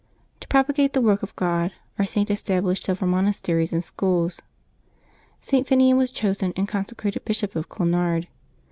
To propagate the work of God, our Saint established several monasteries and schools. St. Finian was chosen and consecrated Bishop of Clonard.